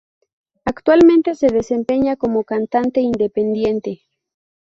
Actualmente se desempeña como cantante independiente.